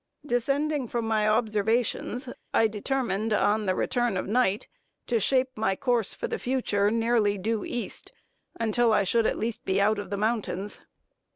Descending from my observations, I determined on the return of night to shape my course, for the future, nearly due East, until I should at least be out of the mountains.